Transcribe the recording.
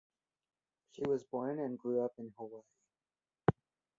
She was born and grew up in Hawaii.